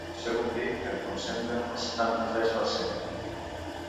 Això vol dir que en concentra el setanta-tres per cent.